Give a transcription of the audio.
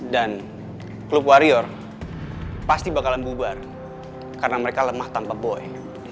dan klub warior pasti bakalan bubar karena mereka lemah tanpa boy